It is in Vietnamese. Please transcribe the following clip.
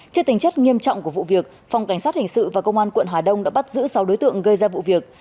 trước tình chất nghiêm trọng của vụ việc phòng cảnh sát hình sự và công an quận hà đông đã bắt giữ sáu đối tượng gây ra vụ việc